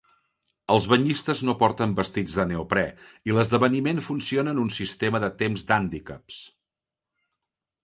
Els banyistes no porten vestits de neoprè i l'esdeveniment funciona en un sistema de temps d'hàndicaps.